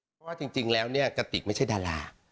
เพราะว่าจริงแล้วเนี่ยกระติกไม่ใช่ดารา